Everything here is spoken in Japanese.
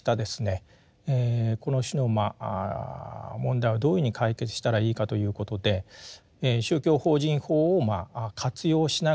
この種のまあ問題をどういうふうに解決したらいいかということで宗教法人法を活用しながらですね